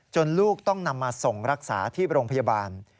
ลูกต้องนำมาส่งรักษาที่โรงพยาบาล